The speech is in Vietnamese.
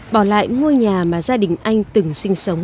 bỏ lại ngôi nhà mà gia đình anh từng sinh sống